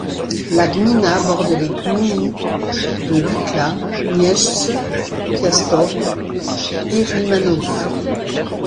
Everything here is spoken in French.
La gmina borde les gminy de Dukla, Miejsce Piastowe et Rymanów.